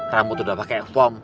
rambut udah pake foam